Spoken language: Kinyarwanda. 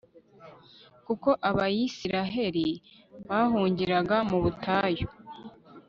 kuko abayisraheli bahungiraga mu butayu